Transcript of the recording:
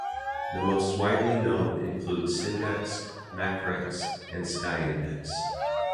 The most widely known include Cindex, Macrex and SkyIndex.